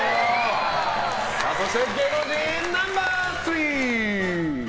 そして芸能人ナンバー３。